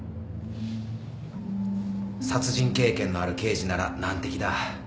殺人経験のある刑事なら難敵だ。